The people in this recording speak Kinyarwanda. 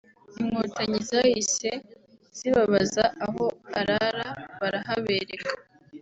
inkotanyi zahise zibabaza aho arara barahabereka